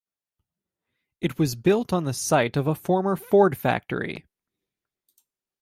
It was built on the site of a former Ford factory.